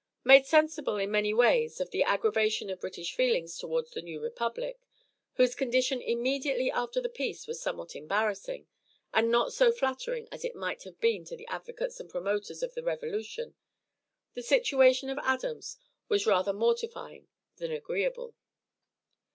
Made sensible in many ways of the aggravation of British feelings toward the new republic, whose condition immediately after the peace was somewhat embarrassing, and not so flattering as it might have been to the advocates and promoters of the revolution, the situation of Adams was rather mortifying than agreeable.